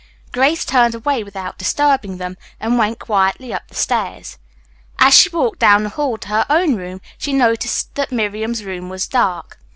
Grace turned away without disturbing them, and went quietly up the stairs. As she walked down the hall to her own room she noticed that Miriam's room was dark.